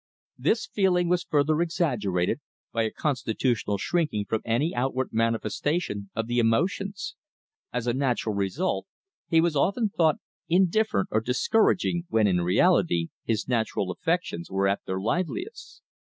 This feeling was further exaggerated by a constitutional shrinking from any outward manifestation of the emotions. As a natural result, he was often thought indifferent or discouraging when in reality his natural affections were at their liveliest.